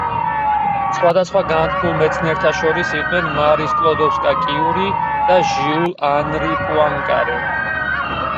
სხვა განთქმულ მეცნიერთა შორის იყვნენ მარი სკლოდოვსკა-კიური და ჟიულ ანრი პუანკარე.